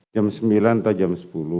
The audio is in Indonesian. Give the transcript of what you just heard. jam sembilan atau jam sepuluh